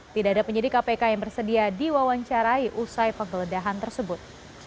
tidak ada penyidik kpk yang bersedia diwawancarai usai penggeledahan tersebut